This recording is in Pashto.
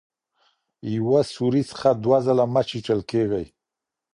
یوه سوري څخه دوه ځله مه چیچل کیږئ.